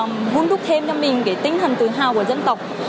mọi người đều vun thúc thêm cho mình cái tinh thần tự hào của dân tộc